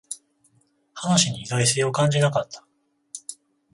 話に意外性を感じなかった